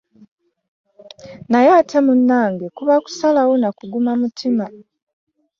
Naye ate munange kuba kusalawo n'akuguma mutima .